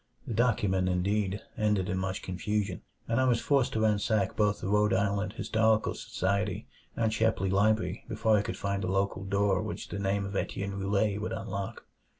The document, indeed, ended in much confusion; and I was forced to ransack both the Rhode Island Historical Society and Shepley Library before I could find a local door which the name of Etienne Roulet would unlock.